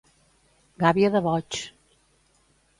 Gàbia de boigs.